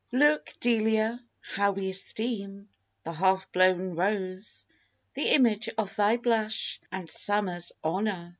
Look, Delia, how we esteem the half blown rose, The image of thy blush, and summer's honour!